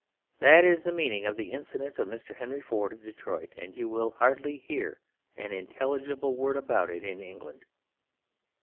That is the meaning of the incident of Mr. Henry Ford of Detroit; and you will hardly hear an intelligible word about it in England.